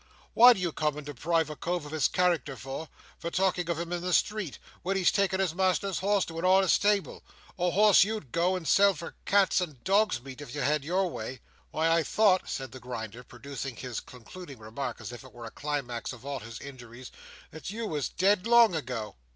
What do you come and deprive a cove of his character for, by talking to him in the streets, when he's taking his master's horse to a honest stable—a horse you'd go and sell for cats' and dogs' meat if you had your way! Why, I thought," said the Grinder, producing his concluding remark as if it were the climax of all his injuries, "that you was dead long ago!"